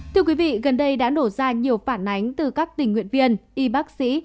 thưa quý vị gần đây đã nổ ra nhiều phản ánh từ các tình nguyện viên y bác sĩ